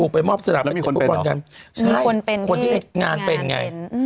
ไปมอบสนามแล้วมีคนเป็นเหรอมีคนเป็นที่งานเป็นอืม